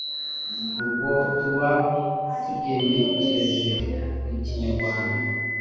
ubwo tuba tugenekereje mu Kinyarwanda.